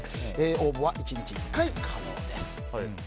応募は１日１回可能です。